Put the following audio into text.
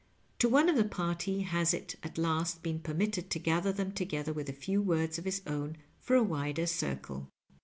To one of the party has it at last been permitted to gather them together with a few words of his own for a wider circle.